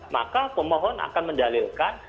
maka pemohon akan mendalilkan